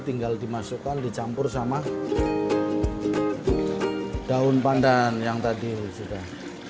tinggal dimasukkan dicampur sama daun pandan yang tadi sudah